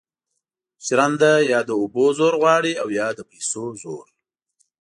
ژرنده یا د اوبو زور غواړي او یا د پیسو زور.